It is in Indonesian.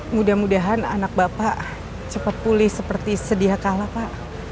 mudah mudahan anak bapak cepat pulih seperti sedia kalah pak